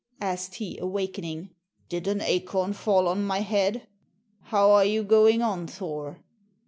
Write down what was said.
asked he, awakening. "Did an acorn fall on my head? How are you going on, Thor?"